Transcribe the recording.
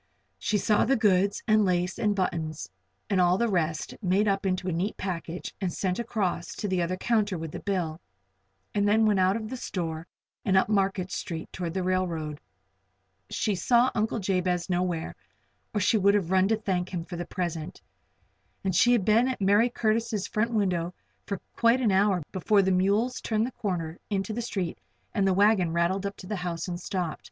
She saw the goods, and lace, and buttons, and all the rest, made up into a neat package and sent across to the other counter with the bill, and then went out of the store and up Market Street toward the railroad. She saw Uncle Jabez nowhere, or she would have run to him to thank him for the present. And she had been in Mercy Curtis' front window for quite an hour before the mules turned the corner into the street and the wagon rattled up to the house and stopped.